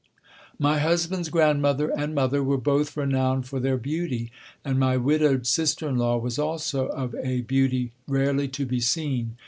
My husband's grandmother and mother were both renowned for their beauty. And my widowed sister in law was also of a beauty rarely to be seen.